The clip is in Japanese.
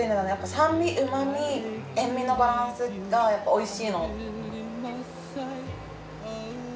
酸味旨み塩味のバランスがやっぱり美味しい。